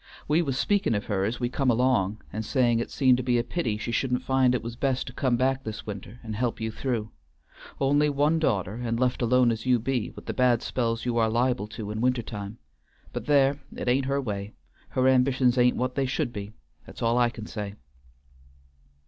"We was speaking of her as we come along, and saying it seemed to be a pity she should'nt feel it was best to come back this winter and help you through; only one daughter, and left alone as you be, with the bad spells you are liable to in winter time but there, it ain't her way her ambitions ain't what they should be, that's all I can say."